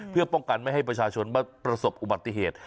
เพื่อป้องกันไม่ให้ประชาชนมาประสบอุบัติเหตุ